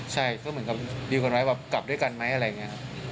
ใช่ก็เหมือนกับมีคนไว้แบบกลับด้วยกันไหมอะไรอย่างนี้ครับ